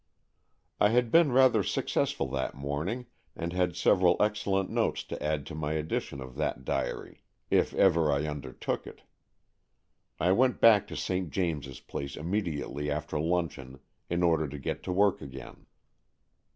I had been rather successful that morning and had several excellent notes to add to my edition of that diary, if ever I undertook it. I went back to St. James's Place immediately after luncheon, in order to get to work again.